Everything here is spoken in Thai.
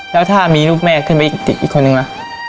แล้วถ้ามีลูกแม่ขึ้นไปติดอีกคนนึงล่ะ